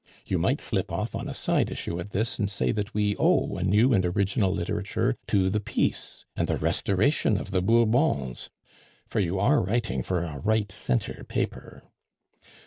"You might slip off on a side issue at this, and say that we owe a new and original literature to the Peace and the Restoration of the Bourbons, for you are writing for a Right Centre paper.